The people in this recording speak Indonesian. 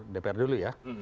dpr dulu ya